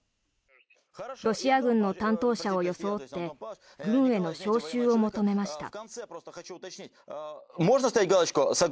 ロシア軍の担当者を装って軍への招集を求めました。